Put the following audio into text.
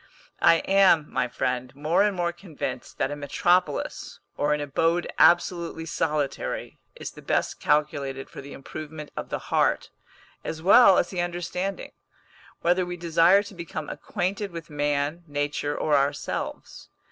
I am, my friend, more and more convinced that a metropolis, or an abode absolutely solitary, is the best calculated for the improvement of the heart, as well as the understanding; whether we desire to become acquainted with man, nature, or ourselves.